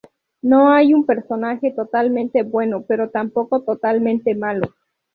No hay un personaje totalmente bueno pero tampoco totalmente malo.